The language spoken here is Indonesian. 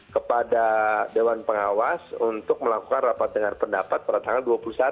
kepada dewan pengawas untuk melakukan rapat dengar pendapat pada tanggal dua puluh satu